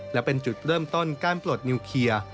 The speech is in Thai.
และเป็นจุดเริ่มต้นการปลดนิวเคลียร์